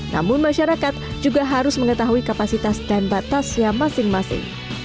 namun masyarakat juga harus mengetahui kapasitas dan batasnya masing masing